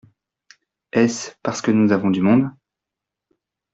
Est-ce parce que nous avons du monde ?